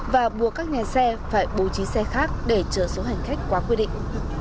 và buộc các nhà xe phải bố trí xe khác để chở số hành khách quá quy định